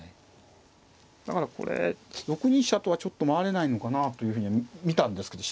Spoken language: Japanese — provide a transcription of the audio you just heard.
だからこれ６二飛車とはちょっと回れないのかなというふうには見たんですけど。